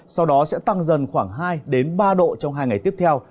sau đó sẽ tăng dần khoảng hai ba độ trong hai ngày tiếp theo